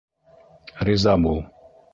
Риза бул!